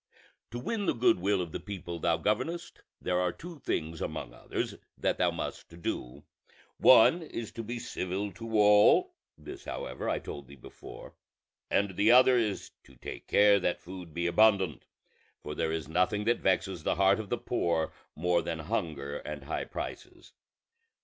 To win the good will of the people thou governest, there are two things among others that thou must do: one is to be civil to all (this however I told thee before), and the other to take care that food be abundant; for there is nothing that vexes the heart of the poor more than hunger and high prices.